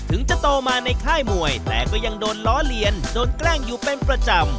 ถึงจะโตมาในค่ายมวยแต่ก็ยังโดนล้อเลียนโดนแกล้งอยู่เป็นประจำ